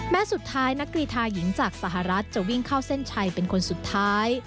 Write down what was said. แม้สุดท้ายนักกรีธาหญิงจากสหรัฐจะวิ่งเข้าเส้นชัยเป็นคนสุดท้าย